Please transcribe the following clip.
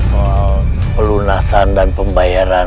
kalau mau pelunasan dan pembayaran